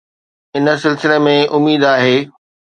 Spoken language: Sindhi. ان سلسلي ۾ اميد آهي.